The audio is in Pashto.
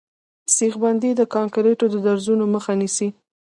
سیخ بندي د کانکریټو د درزونو مخه نیسي